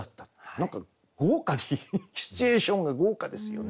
何か豪華にシチュエーションが豪華ですよね。